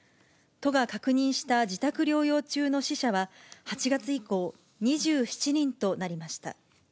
都が確認した自宅療養中の死者は８月以降、２７人となりました。